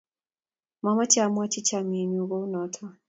Mamache amwachi chamanenyun kou notok